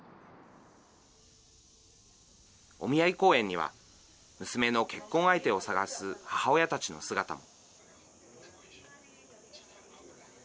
お見合い公園には、娘の結婚相手を探す母親たちの姿も。